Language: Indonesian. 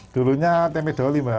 dulunya tempe doli